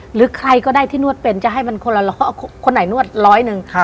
หรือใครก็ได้ที่นวดเป็นจะให้มันคนละคนไหนนวดร้อยหนึ่ง